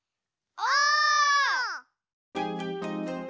お！